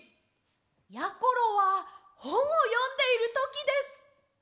やころはほんをよんでいるときです。